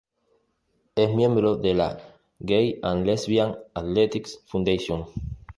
Es miembro de la dirección de la Gay and Lesbian Athletics Foundation.